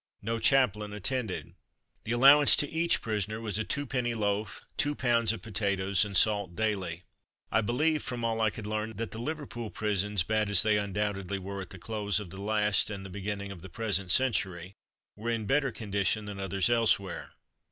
No chaplain attended. The allowance to each prisoner was a two penny loaf, two pounds of potatoes, and salt daily. I believe, from all I could learn, that the Liverpool prisons, bad as they undoubtedly were at the close of the last and the beginning of the present century, were in better condition than others elsewhere.